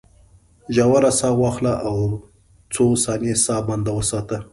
ژوره ساه واخله او څو ثانیې ساه بنده وساته.